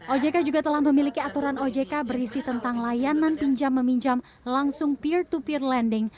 ojk juga telah memiliki aturan ojk berisi tentang layanan pinjam meminjam langsung peer to peer lending